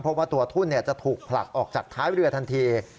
เพราะว่าตัวทุ่นจะถูกผลักออกจากท้ายเรือทันที